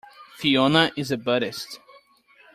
Fiona is a Buddhist.